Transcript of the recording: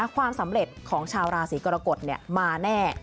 ความสำเร็จของชาวราศีกรกฎมาแน่